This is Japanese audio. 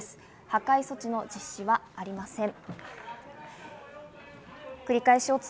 破壊措置の実施はありません。